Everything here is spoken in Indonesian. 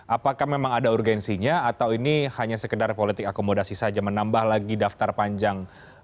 apakah memang ada urgensinya atau ini hanya sekedar politik akomodasi saja menambah lagi daftar panjang